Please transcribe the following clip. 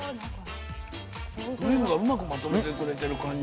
クリームがうまくまとめてくれてる感じ。